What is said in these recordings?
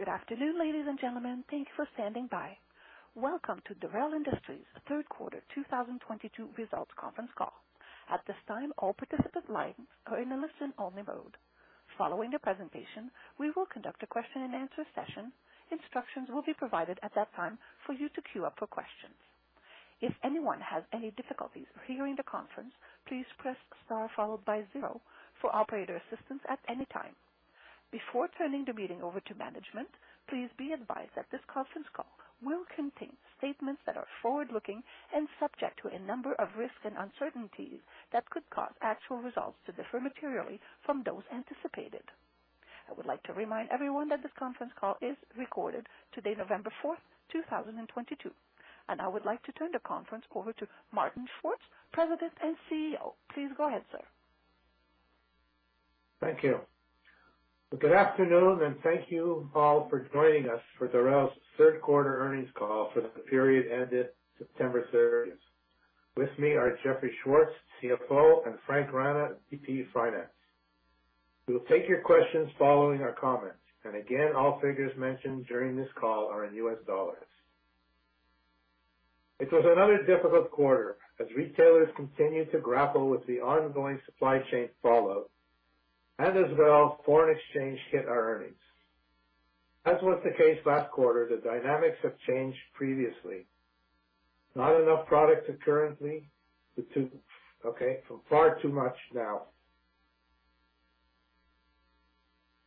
Good afternoon, ladies and gentlemen. Thank you for standing by. Welcome to Dorel Industries Third Quarter 2022 Results Conference Call. At this time, all participants' lines are in a listen-only mode. Following the presentation, we will conduct a question-and-answer session. Instructions will be provided at that time for you to queue up for questions. If anyone has any difficulties hearing the conference, please press Star followed by zero for operator assistance at any time. Before turning the meeting over to management, please be advised that this conference call will contain statements that are forward-looking and subject to a number of risks and uncertainties that could cause actual results to differ materially from those anticipated. I would like to remind everyone that this conference call is recorded today, November 4, 2022. I would like to turn the conference over to Martin Schwartz, President and CEO. Please go ahead, sir. Thank you. Good afternoon, and thank you all for joining us for Dorel's third quarter earnings call for the period ended September 30th. With me are Jeffrey Schwartz, CFO, and Frank Rana, VP Finance. We will take your questions following our comments. Again, all figures mentioned during this call are in U.S. dollars. It was another difficult quarter as retailers continued to grapple with the ongoing supply chain fallout and as well foreign exchange hit our earnings. As was the case last quarter, the dynamics have changed. Previously not enough products, now far too much.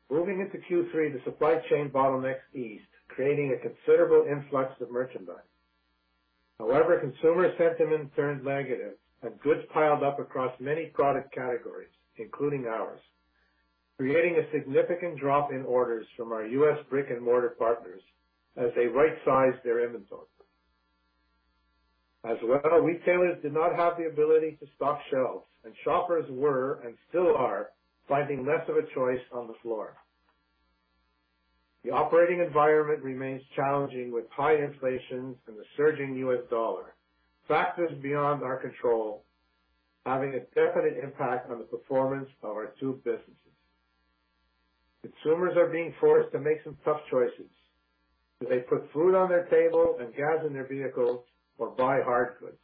Moving into Q3, the supply chain bottlenecks eased, creating a considerable influx of merchandise. However, consumer sentiment turned negative and goods piled up across many product categories, including ours, creating a significant drop in orders from our U.S. brick-and-mortar partners as they right-sized their inventory. As well, retailers did not have the ability to stock shelves, and shoppers were, and still are, finding less of a choice on the floor. The operating environment remains challenging with high inflation and the surging U.S. dollar. Factors beyond our control, having a definite impact on the performance of our two businesses. Consumers are being forced to make some tough choices. Do they put food on their table and gas in their vehicles or buy hard goods?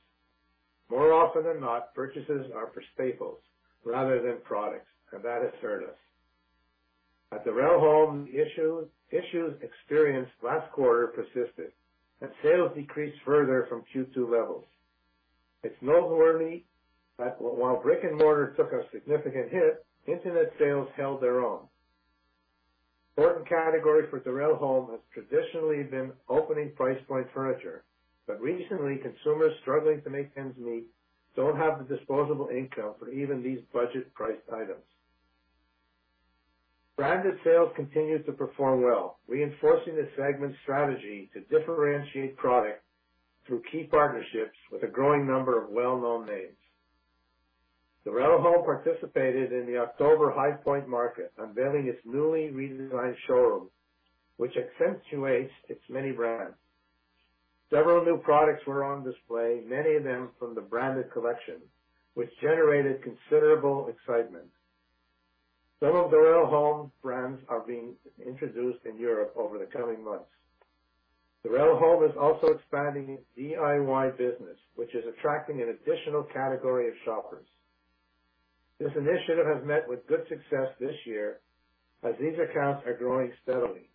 More often than not, purchases are for staples rather than products, and that is fair to us. At Dorel Home, issues experienced last quarter persisted, and sales decreased further from Q2 levels. It's noteworthy that while brick-and-mortar took a significant hit, internet sales held their own. Important category for Dorel Home has traditionally been Opening Price Point furniture, but recently, consumers struggling to make ends meet don't have the disposable income for even these budget-priced items. Branded sales continued to perform well, reinforcing the segment's strategy to differentiate product through key partnerships with a growing number of well-known names. Dorel Home participated in the October High Point Market, unveiling its newly redesigned showroom, which accentuates its many brands. Several new products were on display, many of them from the branded collection, which generated considerable excitement. Some of Dorel Home brands are being introduced in Europe over the coming months. Dorel Home is also expanding its DIY business, which is attracting an additional category of shoppers. This initiative has met with good success this year as these accounts are growing steadily.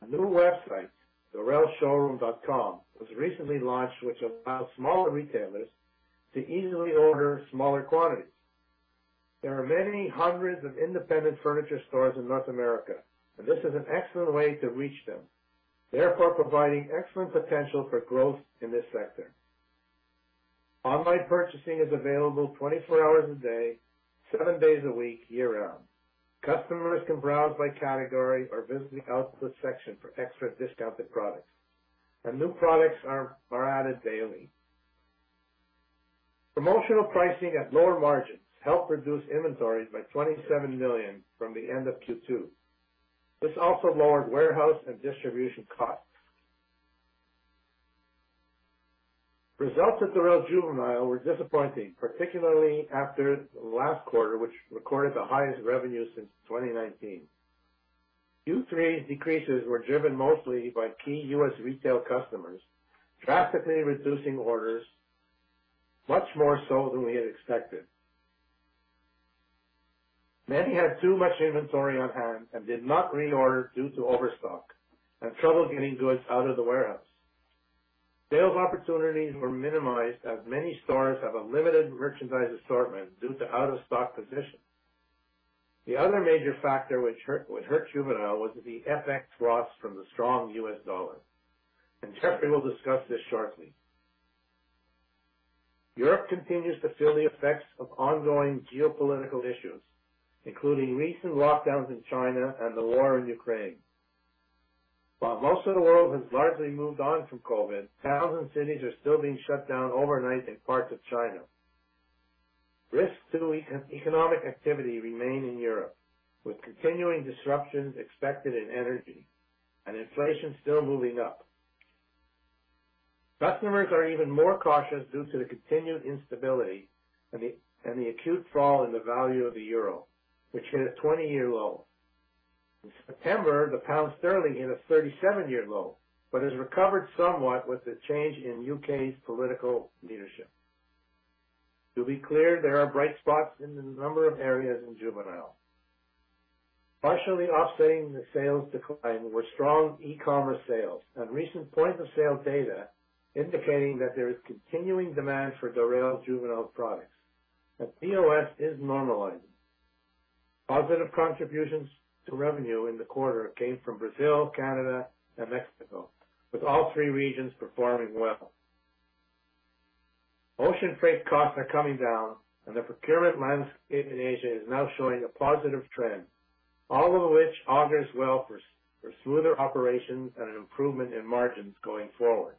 A new website, dorelshowroom.com, was recently launched, which allows smaller retailers to easily order smaller quantities. There are many hundreds of independent furniture stores in North America, and this is an excellent way to reach them, therefore providing excellent potential for growth in this sector. Online purchasing is available 24 hours a day, 7 days a week, year-round. Customers can browse by category or visit the outlet section for extra discounted products, and new products are added daily. Promotional pricing at lower margins helped reduce inventory by $27 million from the end of Q2. This also lowered warehouse and distribution costs. Results at Dorel Juvenile were disappointing, particularly after last quarter, which recorded the highest revenue since 2019. Q3 decreases were driven mostly by key U.S. retail customers, drastically reducing orders, much more so than we had expected. Many had too much inventory on hand and did not reorder due to overstock and trouble getting goods out of the warehouse. Sales opportunities were minimized as many stores have a limited merchandise assortment due to out-of-stock positions. The other major factor which hurt Juvenile was the FX loss from the strong U.S. dollar, and Jeffrey will discuss this shortly. Europe continues to feel the effects of ongoing geopolitical issues, including recent lockdowns in China and the war in Ukraine. While most of the world has largely moved on from COVID, towns and cities are still being shut down overnight in parts of China. Risks to economic activity remain in Europe, with continuing disruptions expected in energy and inflation still moving up. Customers are even more cautious due to the continued instability and the acute fall in the value of the euro, which hit a 20-year low. In September, the pound sterling hit a 37-year low, but has recovered somewhat with the change in UK's political leadership. To be clear, there are bright spots in a number of areas in Juvenile. Partially offsetting the sales decline were strong e-commerce sales and recent point of sale data indicating that there is continuing demand for Dorel Juvenile products, but POS is normalizing. Positive contributions to revenue in the quarter came from Brazil, Canada, and Mexico, with all three regions performing well. Ocean freight costs are coming down and the procurement landscape in Asia is now showing a positive trend, all of which augurs well for smoother operations and an improvement in margins going forward.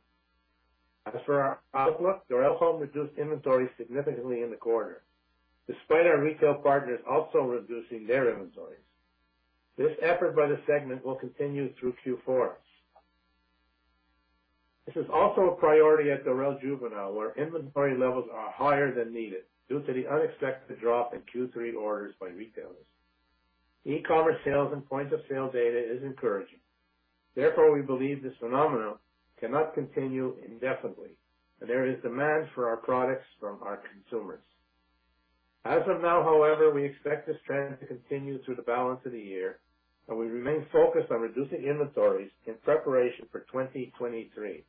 As for our outlook, Dorel Home reduced inventory significantly in the quarter, despite our retail partners also reducing their inventories. This effort by the segment will continue through Q4. This is also a priority at Dorel Juvenile, where inventory levels are higher than needed due to the unexpected drop in Q3 orders by retailers. E-commerce sales and point of sale data is encouraging. Therefore, we believe this phenomenon cannot continue indefinitely, and there is demand for our products from our consumers. As of now, however, we expect this trend to continue through the balance of the year, and we remain focused on reducing inventories in preparation for 2023.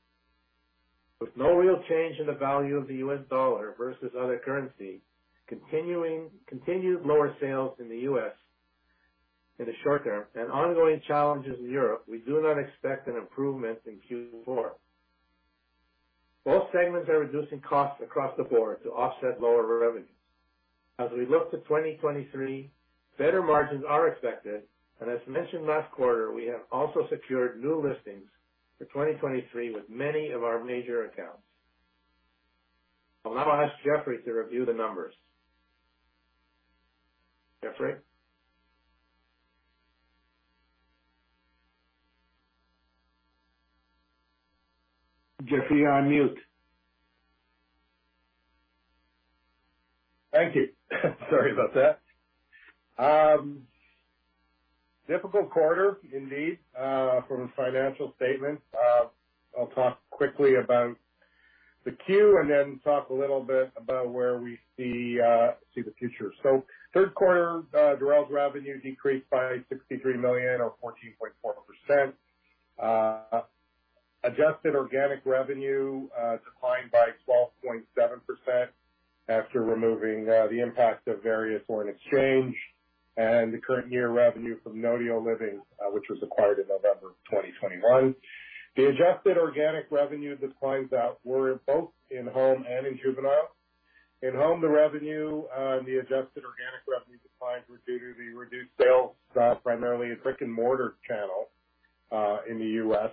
With no real change in the value of the U.S. dollar versus other currencies, continued lower sales in the U.S. in the short term and ongoing challenges in Europe, we do not expect an improvement in Q4. Both segments are reducing costs across the board to offset lower revenues. As we look to 2023, better margins are expected, and as mentioned last quarter, we have also secured new listings for 2023 with many of our major accounts. I'll now ask Jeffrey to review the numbers. Jeffrey? Jeffrey, you're on mute. Thank you. Sorry about that. Difficult quarter indeed from a financial statement. I'll talk quickly about the Q and then talk a little bit about where we see the future. Third quarter, Dorel's revenue decreased by $63 million or 14.4%. Adjusted organic revenue declined by 12.7% after removing the impact of various foreign exchange and the current year revenue from Notio Living, which was acquired in November 2021. The adjusted organic revenue declines were both in Home and in Juvenile. In Home, the revenue and the adjusted organic revenue declines were due to the reduced sales primarily in brick-and-mortar channel in the U.S.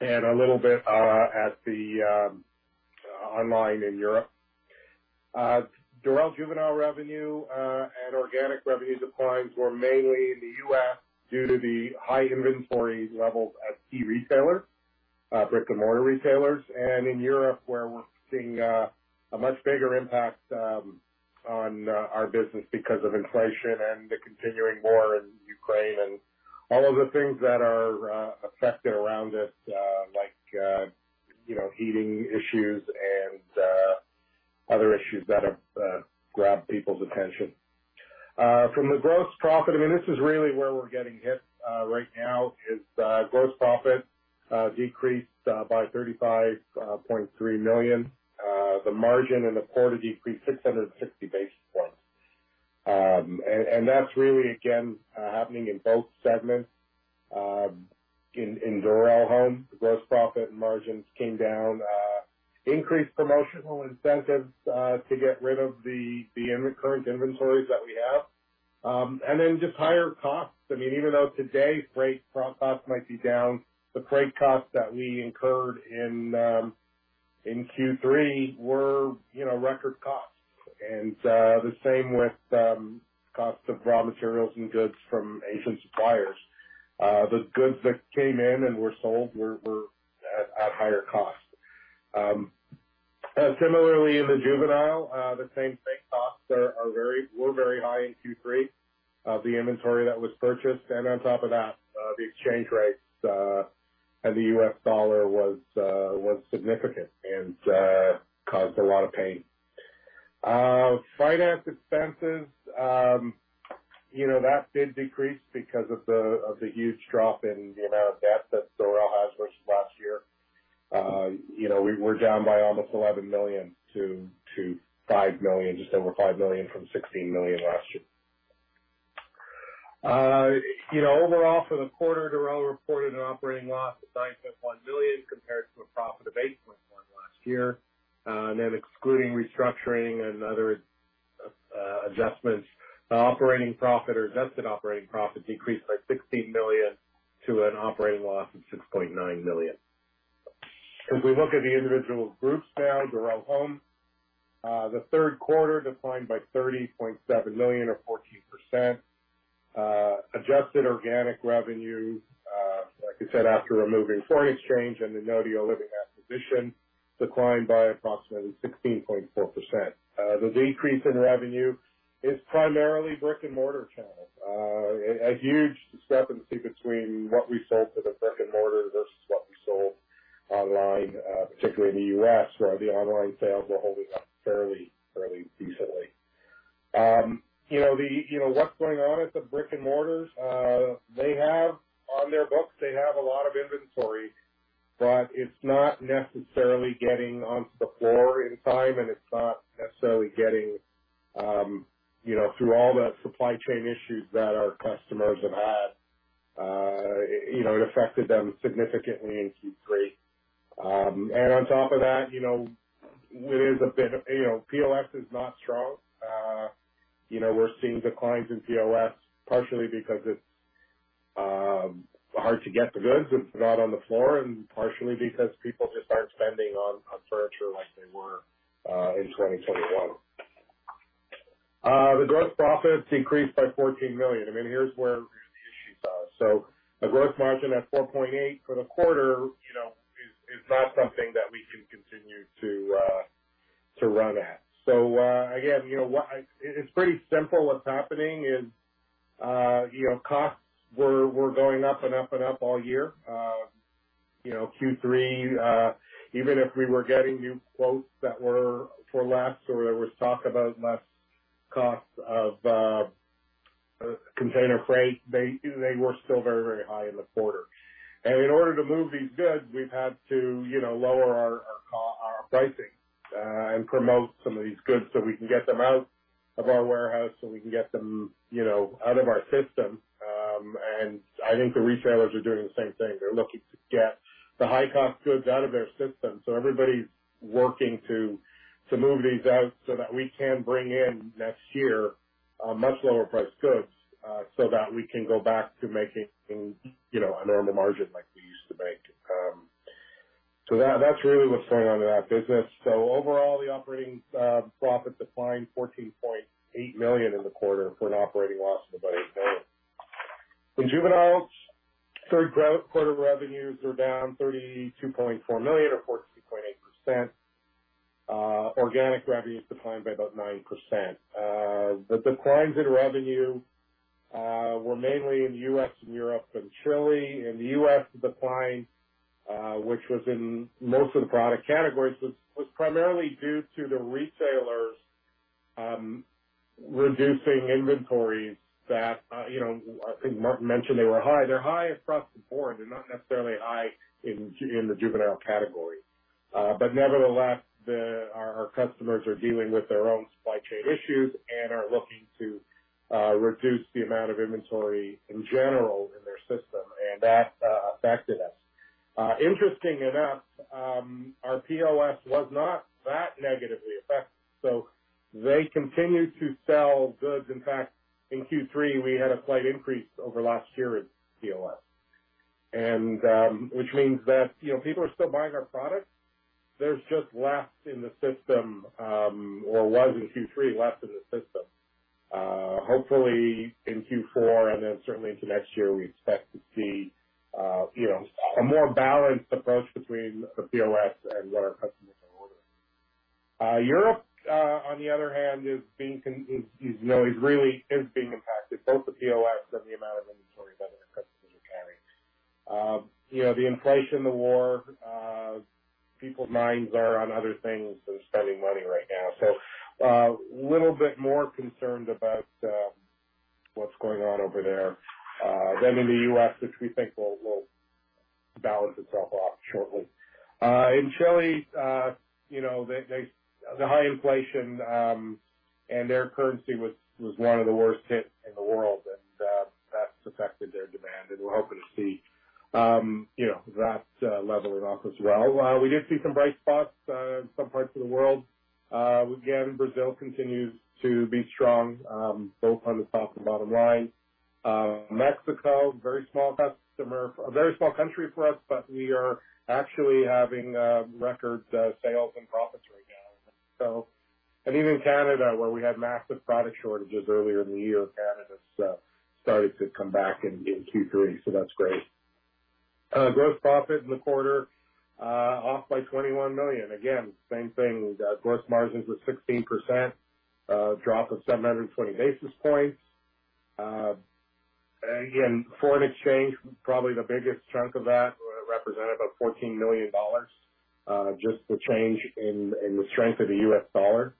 and a little bit at the online in Europe. Dorel Juvenile revenue and organic revenue declines were mainly in the U.S. due to the high inventory levels at key retailers, brick-and-mortar retailers, and in Europe, where we're seeing a much bigger impact on our business because of inflation and the continuing war in Ukraine and all of the things that are affected around us, like you know, heating issues and other issues that have grabbed people's attention. From the gross profit, I mean, this is really where we're getting hit right now is gross profit decreased by $35.3 million. The margin in the quarter decreased 660 basis points. That's really again happening in both segments. In Dorel Home, the gross profit and margins came down. Increased promotional incentives to get rid of the current inventories that we have. Just higher costs. I mean, even though today freight costs might be down, the freight costs that we incurred in Q3 were, you know, record costs. The same with costs of raw materials and goods from Asian suppliers. The goods that came in and were sold were at higher costs. Similarly in the Juvenile, the same thing. Costs were very high in Q3. The inventory that was purchased and on top of that, the exchange rates and the U.S. dollar was significant and caused a lot of pain. Finance expenses, you know, that did decrease because of the huge drop in the amount of debt that Dorel has versus last year. You know, we're down by almost $11 million-$5 million, just over $5 million from $16 million last year. You know, overall for the quarter, Dorel reported an operating loss of $9.1 million compared to a profit of $8.1 million last year. Excluding restructuring and other adjustments, operating profit or adjusted operating profit decreased by $16 million to an operating loss of $6.9 million. If we look at the individual groups now, Dorel Home, the third quarter declined by $30.7 million or 14%. Adjusted organic revenue, like I said, after removing foreign exchange and the Notio Living acquisition declined by approximately 16.4%. The decrease in revenue is primarily brick-and-mortar channels. A huge discrepancy between what we sold to the brick and mortar versus what we sold online, particularly in the U.S., where the online sales were holding up fairly decently. You know, what's going on at the brick and mortars, they have on their books a lot of inventory, but it's not necessarily getting onto the floor in time, and it's not necessarily getting, you know, through all the supply chain issues that our customers have had. You know, it affected them significantly in Q3. On top of that, you know, there is a bit of, you know, POS is not strong. You know, we're seeing declines in POS, partially because it's hard to get the goods if they're not on the floor, and partially because people just aren't spending on furniture like they were in 2021. The gross profits increased by $14 million. I mean, here's where the issues are. A gross margin at 4.8% for the quarter, you know, is not something that we can continue to run at. Again, you know what? It's pretty simple what's happening is, you know, costs were going up and up and up all year. You know, Q3, even if we were getting new quotes that were for less or there was talk about less costs of container freight, they were still very, very high in the quarter. In order to move these goods, we've had to, you know, lower our pricing and promote some of these goods so we can get them out of our warehouse, so we can get them, you know, out of our system. I think the retailers are doing the same thing. They're looking to get the high-cost goods out of their system. Everybody's working to move these out so that we can bring in next year much lower priced goods so that we can go back to making, you know, a normal margin like we used to make. That's really what's going on in that business. Overall, the operating profit declined $14.8 million in the quarter for an operating loss of about $8 million. In juveniles, third quarter revenues are down $32.4 million or 14.8%. Organic revenues declined by about 9%. The declines in revenue were mainly in the U.S. and Europe and Chile. In the U.S., the decline, which was in most of the product categories, was primarily due to the retailers reducing inventories that, you know, I think Martin mentioned they were high. They're high across the board. They're not necessarily high in the juvenile category. Nevertheless, our customers are dealing with their own supply chain issues and are looking to reduce the amount of inventory in general in their system, and that affected us. Interesting enough, our POS was not that negatively affected, so they continued to sell goods. In fact, in Q3, we had a slight increase over last year at POS. Which means that, you know, people are still buying our products. There's just less in the system, or was in Q3, less in the system. Hopefully in Q4 and then certainly into next year, we expect to see, you know, a more balanced approach between the POS and what our customers are ordering. Europe, on the other hand, is really being impacted, both the POS and the amount of inventory that our customers are carrying. You know, the inflation, the war, people's minds are on other things than spending money right now. Little bit more concerned about what's going on over there than in the U.S., which we think will balance itself off shortly. In Chile, you know, the high inflation and their currency was one of the worst hit in the world and that's affected their demand, and we're hoping to see, you know, that leveling off as well. We did see some bright spots in some parts of the world. Again, Brazil continues to be strong both on the top and bottom line. Mexico, a very small country for us, but we are actually having record sales and profits right now. Even Canada, where we had massive product shortages earlier in the year, Canada's started to come back in Q3, so that's great. Gross profit in the quarter off by $21 million. Again, same thing. Gross margins were 16%, drop of 720 basis points. Again, foreign exchange, probably the biggest chunk of that, represented about $14 million, just the change in the strength of the U.S. dollar.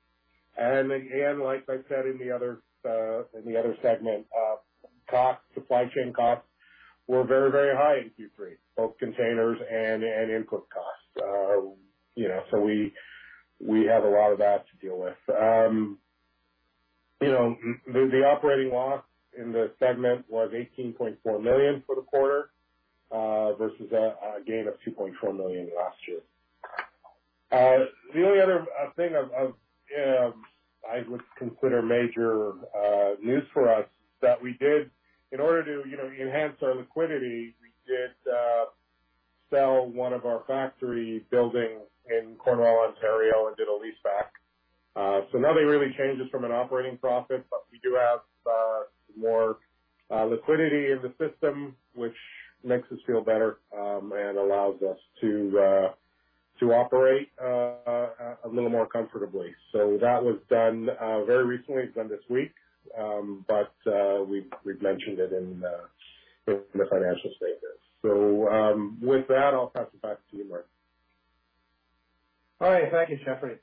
Again, like I said in the other segment, costs, supply chain costs were very, very high in Q3, both containers and input costs. You know, so we had a lot of that to deal with. The operating loss in the segment was $18.4 million for the quarter, versus a gain of $2.4 million last year. The only other thing I would consider major news for us that we did in order to, you know, enhance our liquidity, we did sell one of our factory buildings in Cornwall, Ontario, and did a leaseback. Nothing really changes from an operating profit, but we do have more liquidity in the system, which makes us feel better and allows us to operate a little more comfortably. That was done very recently, done this week. We've mentioned it in the financial statements. With that, I'll pass it back to you, Mark. All right. Thank you, Jeffrey.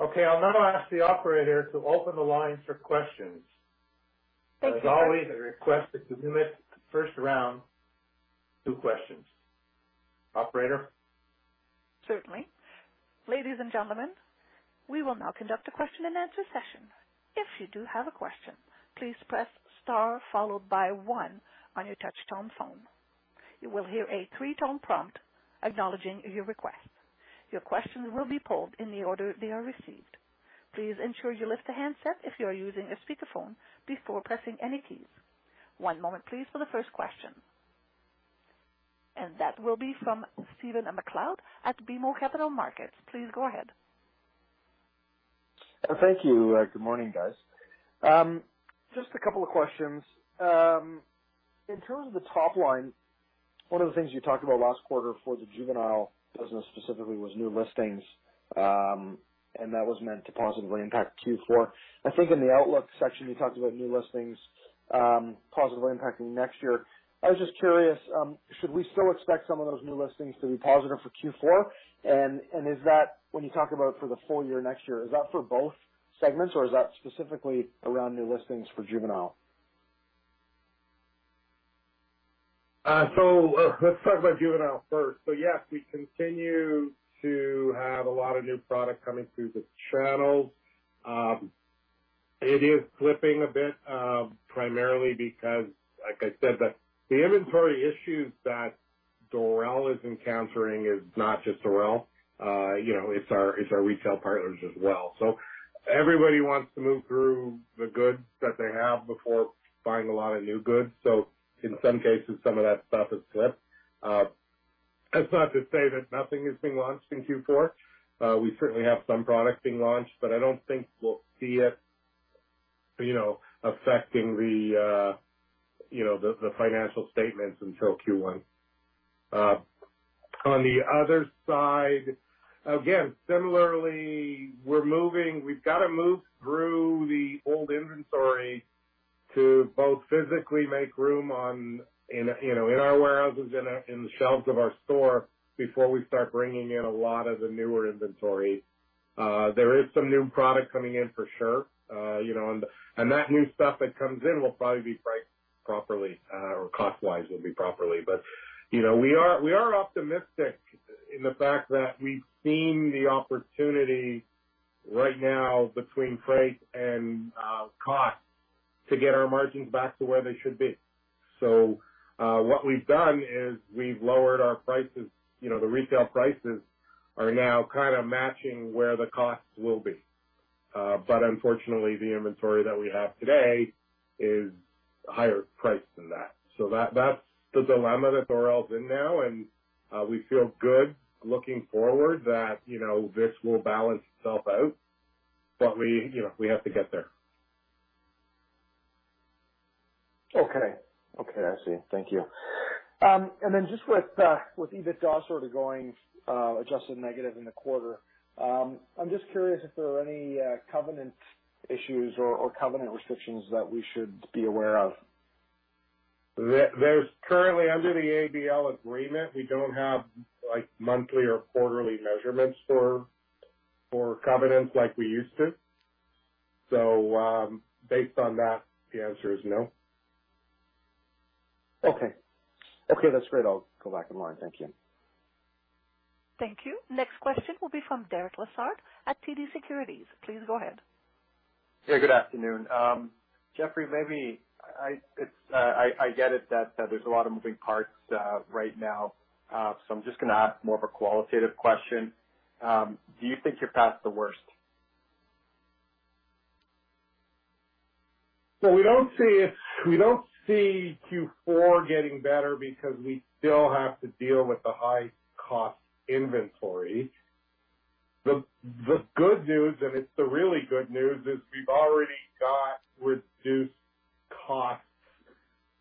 Okay, I'll now ask the operator to open the line for questions. Okay. As always, I request that you limit the first round to questions. Operator? Certainly. Ladies and gentlemen, we will now conduct a question-and-answer session. If you do have a question, please press star followed by one on your touchtone phone. You will hear a three-tone prompt acknowledging your request. Your question will be pulled in the order they are received. Please ensure you lift the handset if you are using a speakerphone before pressing any keys. One moment please for the first question. That will be from Stephen MacLeod at BMO Capital Markets. Please go ahead. Thank you. Good morning, guys. Just a couple of questions. In terms of the top line, one of the things you talked about last quarter for the Juvenile business specifically was new listings, and that was meant to positively impact Q4. I think in the outlook section, you talked about new listings, positively impacting next year. I was just curious, should we still expect some of those new listings to be positive for Q4? Is that when you talk about for the full year next year, is that for both segments, or is that specifically around new listings for Juvenile? Let's talk about Juvenile first. Yes, we continue to have a lot of new product coming through the channels. It is slipping a bit, primarily because, like I said, the inventory issues that Dorel is encountering is not just Dorel, you know, it's our retail partners as well. Everybody wants to move through the goods that they have before buying a lot of new goods. In some cases, some of that stuff has slipped. That's not to say that nothing is being launched in Q4. We certainly have some products being launched, but I don't think we'll see it, you know, affecting the financial statements until Q1. On the other side, again, similarly, we've got to move through the old inventory to both physically make room in, you know, in our warehouses and in the shelves of our store before we start bringing in a lot of the newer inventory. There is some new product coming in for sure, you know, and that new stuff that comes in will probably be priced properly, or cost-wise will be properly. You know, we are optimistic in the fact that we've seen the opportunity right now between freight and cost to get our margins back to where they should be. What we've done is we've lowered our prices. You know, the retail prices are now kind of matching where the costs will be. Unfortunately, the inventory that we have today is higher priced than that. That's the dilemma that Dorel's in now, and we feel good looking forward that, you know, this will balance itself out. We, you know, we have to get there. Okay. Okay, I see. Thank you. Just with EBITDA sort of going adjusted negative in the quarter, I'm just curious if there are any covenant issues or covenant restrictions that we should be aware of. There's currently, under the ABL agreement, we don't have, like, monthly or quarterly measurements for covenants like we used to. Based on that, the answer is no. Okay. Okay, that's great. I'll go back in line. Thank you. Thank you. Next question will be from Derek Lessard at TD Securities. Please go ahead. Yeah, good afternoon. Jeffrey, maybe it's, I get it that there's a lot of moving parts right now. I'm just gonna ask more of a qualitative question. Do you think you're past the worst? We don't see Q4 getting better because we still have to deal with the high-cost inventory. The good news, and it's the really good news, is we've already got reduced costs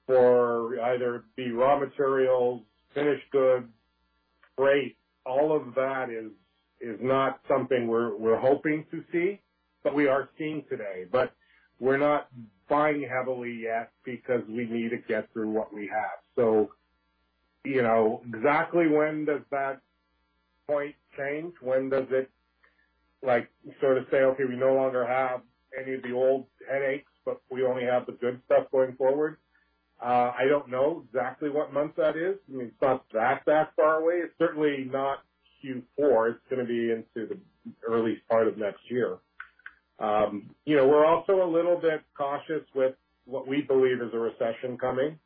for either the raw materials, finished goods, freight. All of that is not something we're hoping to see, but we are seeing today. We're not buying heavily yet because we need to get through what we have. You know, exactly when does that point change? When does it, like, sort of say, "Okay, we no longer have any of the old headaches, but we only have the good stuff going forward"? I don't know exactly what month that is. I mean, it's not that far away. It's certainly not Q4. It's gonna be into the early part of next year. You know, we're also a little bit cautious with what we believe is a recession coming.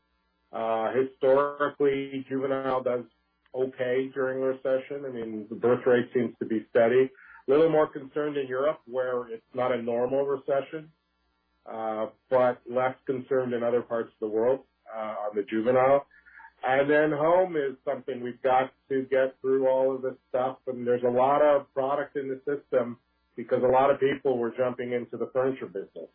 Historically, Juvenile does okay during recession. I mean, the birth rate seems to be steady. A little more concerned in Europe, where it's not a normal recession. Less concerned in other parts of the world, on the Juvenile. Home is something we've got to get through all of this stuff, and there's a lot of product in the system because a lot of people were jumping into the furniture business.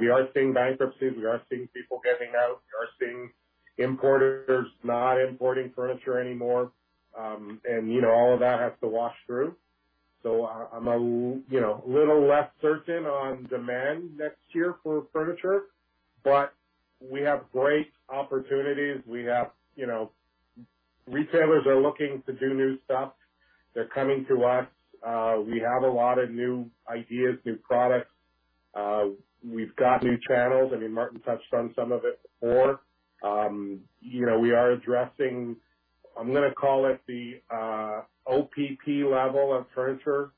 We are seeing bankruptcies, we are seeing people getting out. We are seeing importers not importing furniture anymore. You know, all of that has to wash through. I'm a, you know, little less certain on demand next year for furniture. We have great opportunities. We have, you know. Retailers are looking to do new stuff. They're coming to us. We have a lot of new ideas, new products. We've got new channels. I mean, Martin touched on some of it before. You know, we are addressing, I'm gonna call it the OPP level of furniture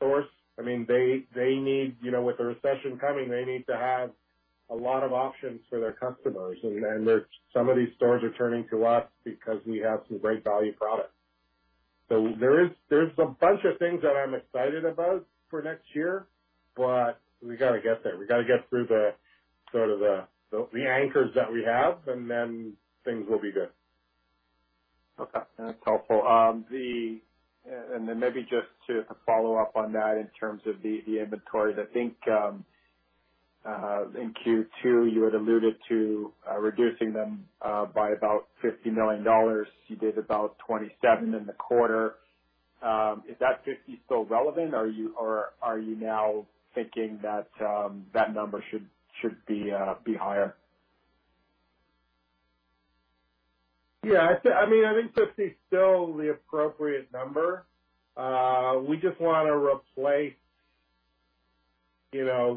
source. I mean, they need, you know, with the recession coming, they need to have a lot of options for their customers. Some of these stores are turning to us because we have some great value products. There's a bunch of things that I'm excited about for next year, but we gotta get there. We gotta get through the sort of the anchors that we have, and then things will be good. Okay. That's helpful. Maybe just to follow up on that in terms of the inventories, I think, in Q2, you had alluded to reducing them by about $50 million. You did about $27 million in the quarter. Is that 50 still relevant, or are you now thinking that that number should be higher? Yeah, I mean, I think 50 is still the appropriate number. We just wanna replace, you know,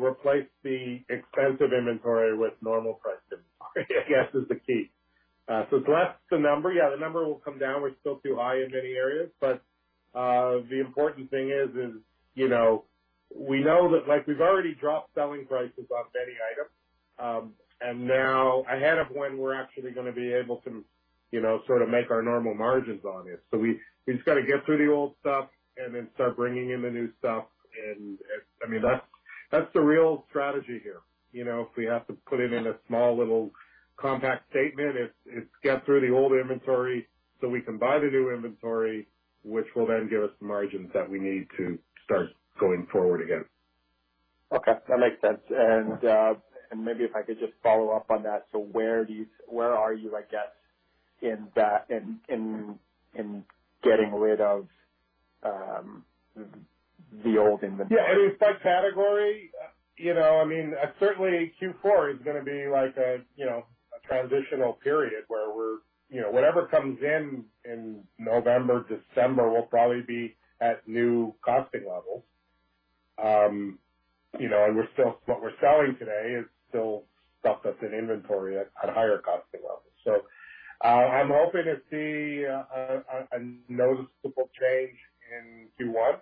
the expensive inventory with normal price inventory, I guess, is the key. That's the number. Yeah, the number will come down. We're still too high in many areas, but the important thing is, you know, we know that, like, we've already dropped selling prices on many items. Now ahead of when we're actually gonna be able to, you know, sort of make our normal margins on it. We've just gotta get through the old stuff and then start bringing in the new stuff. I mean, that's the real strategy here. You know, if we have to put it in a small, little compact statement, it's get through the old inventory so we can buy the new inventory, which will then give us the margins that we need to start going forward again. Okay, that makes sense. Maybe if I could just follow up on that. Where are you, I guess, in that, in getting rid of the old inventory? Yeah, I mean, by category, you know, I mean, certainly Q4 is gonna be like a, you know, a transitional period where we're, you know, whatever comes in in November, December will probably be at new costing levels. You know, what we're selling today is still stuff that's in inventory at higher costing levels. I'm hoping to see a noticeable change in Q1,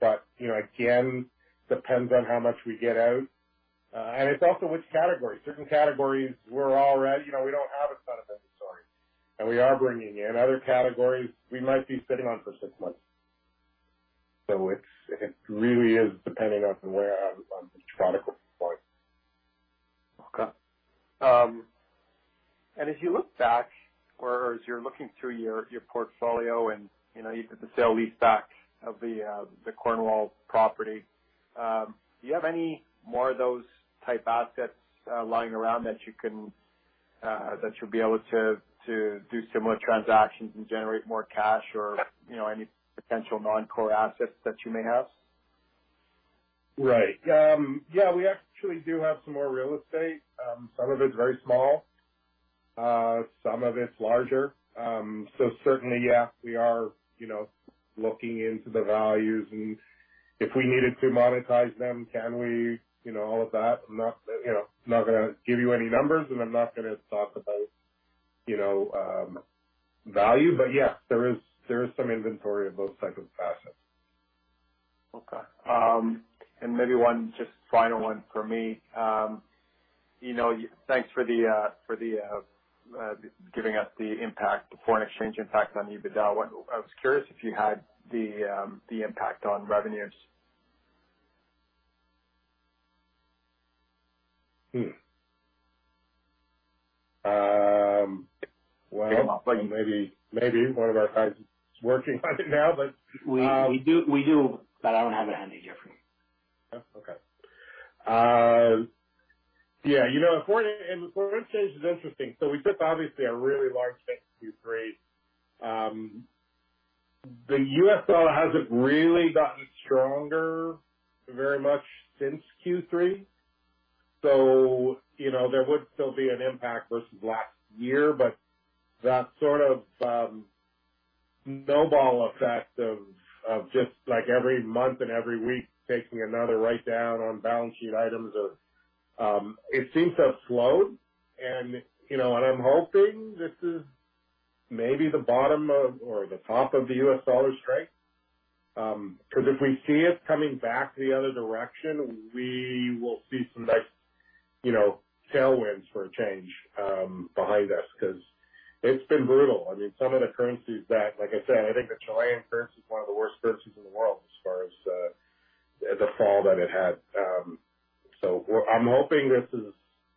but, you know, again, depends on how much we get out. It's also which category. Certain categories we're already you know, we don't have a ton of inventory, and we are bringing in. Other categories we might be sitting on for six months. It's, it really is depending on where I was on the product point. Okay. If you look back, or as you're looking through your portfolio and, you know, you did the sale-leaseback of the Cornwall property, do you have any more of those type assets lying around that you'll be able to do similar transactions and generate more cash or, you know, any potential non-core assets that you may have? Right. Yeah, we actually do have some more real estate. Some of it's very small, some of it's larger. Certainly, yeah, we are, you know, looking into the values, and if we needed to monetize them, can we, you know, all of that. I'm not, you know, gonna give you any numbers, and I'm not gonna talk about, you know, value. Yeah, there is some inventory of those types of assets. Okay. Maybe one, just final one from me. You know, thanks for giving us the impact, the foreign exchange impact on EBITDA. I was curious if you had the impact on revenues? Well. Yeah. Maybe one of our guys is working on it now, but. We do, but I don't have it handy here for you. Oh, okay. Yeah, you know, foreign exchange is interesting. We took obviously a really large hit in Q3. The U.S. dollar hasn't really gotten stronger very much since Q3, so, you know, there would still be an impact versus last year. That sort of snowball effect of just like every month and every week taking another write down on balance sheet items, it seems to have slowed and, you know, I'm hoping this is maybe the bottom of or the top of the U.S. dollar strength. 'Cause if we see it coming back the other direction, we will see some nice, you know, tailwinds for a change, behind us 'cause it's been brutal. I mean, some of the currencies that like I said, I think the Chilean currency is one of the worst currencies in the world as far as the fall that it had. I'm hoping this is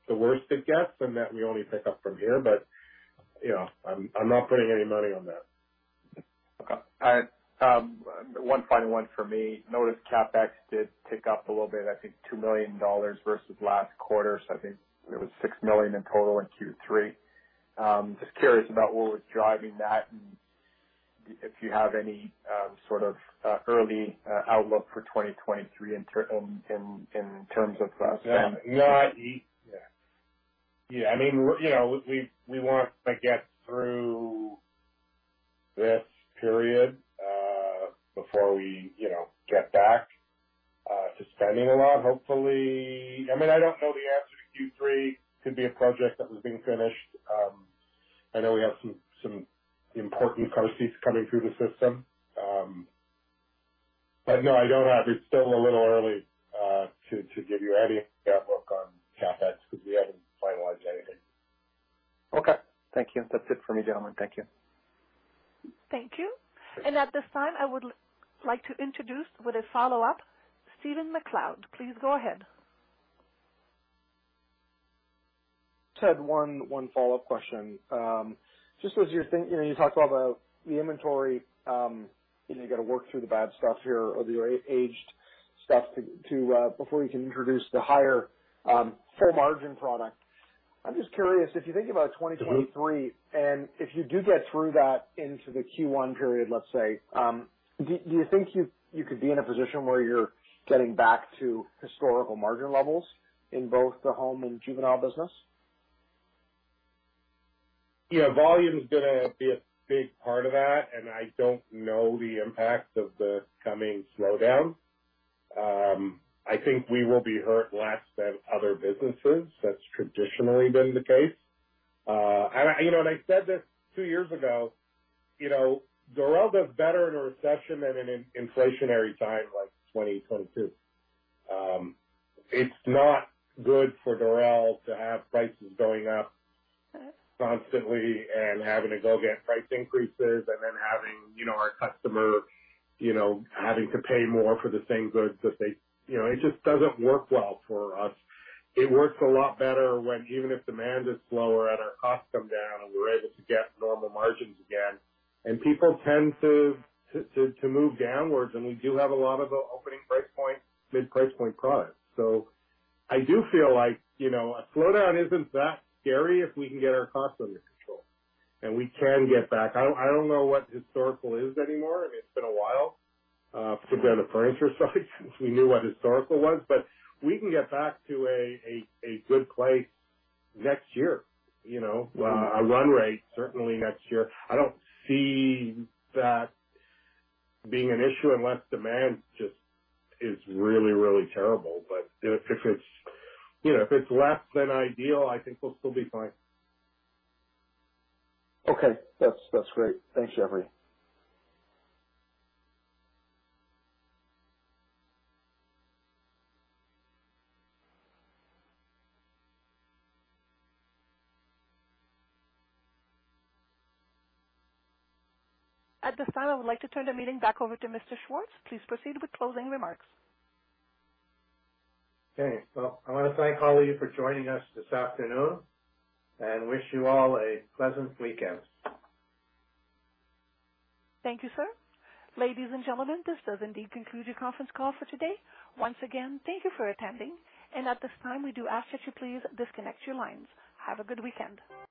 the worst it gets and that we only pick up from here. You know, I'm not putting any money on that. Okay. I one final one for me. Noticed Capex did tick up a little bit, I think $2 million versus last quarter. I think it was $6 million in total in Q3. Just curious about what was driving that and if you have any sort of early outlook for 2023 in terms of spend. Yeah. Yeah. I mean, we're, you know, we want to get through this period before we, you know, get back to spending a lot. Hopefully. I mean, I don't know the answer to Q3. Could be a project that was being finished. I know we have some important car seats coming through the system. No, I don't have. It's still a little early to give you any outlook on Capex because we haven't finalized anything. Okay. Thank you. That's it for me, gentlemen. Thank you. Thank you. At this time, I would like to introduce with a follow-up, Stephen MacLeod. Please go ahead. Ted, one follow-up question. You know, you talked about the inventory, and you gotta work through the bad stuff here or the aged stuff to before you can introduce the higher full margin product. I'm just curious if you think about 2023 and if you do get through that into the Q1 period, let's say, do you think you could be in a position where you're getting back to historical margin levels in both the home and juvenile business? Yeah. Volume's gonna be a big part of that, and I don't know the impact of the coming slowdown. I think we will be hurt less than other businesses. That's traditionally been the case. I said this two years ago. Dorel does better in a recession than in an inflationary time like 2022. It's not good for Dorel to have prices going up constantly and having to get price increases and then having our customer having to pay more for the same goods. It just doesn't work well for us. It works a lot better when even if demand is slower and our costs come down, and we're able to get normal margins again. People tend to move downwards. We do have a lot of the Opening Price Point, mid price point products. I do feel like, you know, a slowdown isn't that scary if we can get our costs under control, and we can get back. I don't know what historical is anymore. I mean, it's been a while since we had a furniture cycle, since we knew what historical was. We can get back to a good place next year, you know? A run rate certainly next year. I don't see that being an issue unless demand just is really, really terrible. If it's, you know, if it's less than ideal, I think we'll still be fine. Okay. That's great. Thanks, Jeffrey. At this time, I would like to turn the meeting back over to Mr. Schwartz. Please proceed with closing remarks. Okay. I wanna thank all of you for joining us this afternoon and wish you all a pleasant weekend. Thank you, sir. Ladies and gentlemen, this does indeed conclude your conference call for today. Once again, thank you for attending. At this time, we do ask that you please disconnect your lines. Have a good weekend.